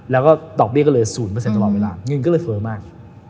แล้วก็ดอกเบี้ยก็เลย๐ตลอดเวลาเงินก็เลยเฟ้อมาก